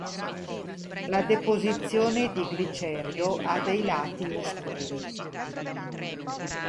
La deposizione di Glicerio ha dei lati oscuri.